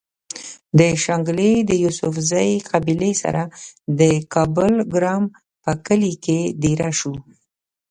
د شانګلې د يوسفزۍقبيلې سره د کابل ګرام پۀ کلي کې ديره شو